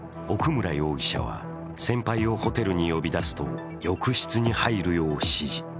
奧村容疑者は先輩をホテルを呼び出すと、浴室に入るよう指示。